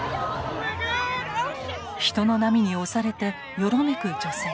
人の波に押されてよろめく女性。